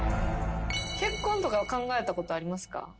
結婚とかは考えたことありますか？